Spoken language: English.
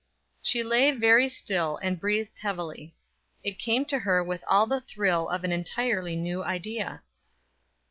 She lay very still, and breathed heavily. It came to her with all the thrill of an entirely new idea.